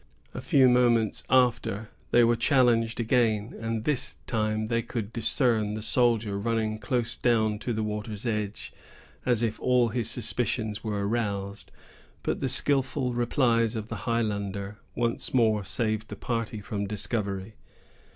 A few moments after, they were challenged again, and this time they could discern the soldier running close down to the water's edge, as if all his suspicions were aroused; but the skilful replies of the Highlander once more saved the party from discovery.